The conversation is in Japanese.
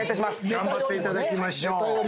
頑張っていただきましょう。